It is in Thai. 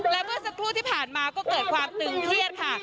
และเมื่อสักครู่ที่ผ่านมาก็เกิดความตึงเครียดค่ะ